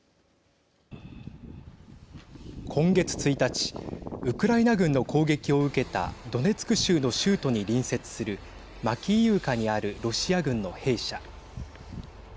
今月１日ウクライナ軍の攻撃を受けたドネツク州の州都に隣接するマキイウカにあるロシア軍の兵舎。